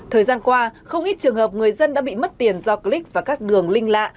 thời gian qua không ít trường hợp người dân đã bị mất tiền do click vào các đường linh lạ